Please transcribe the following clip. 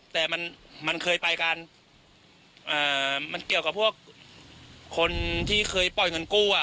แต่มันมันเคยไปกันมันเกี่ยวกับพวกคนที่เคยปล่อยเงินกู้อ่ะ